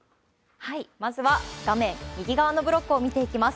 まずは画面右側のブロックを見ていきます。